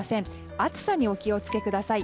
暑さにお気を付けください。